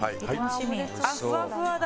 あっふわふわだ。